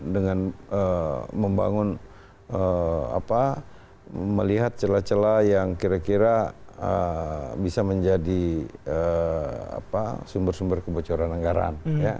dengan membangun melihat celah celah yang kira kira bisa menjadi sumber sumber kebocoran anggaran